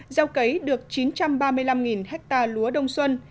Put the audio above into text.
gieo cấy được chín trăm ba mươi năm ha lúa đông xuân